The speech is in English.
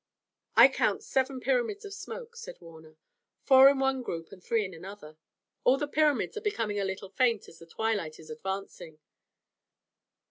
"I count seven pyramids of smoke," said Warner, "four in one group and three in another. All the pyramids are becoming a little faint as the twilight is advancing.